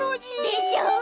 でしょ？